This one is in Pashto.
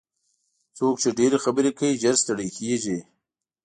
څوک چې ډېرې خبرې کوي ژر ستړي کېږي.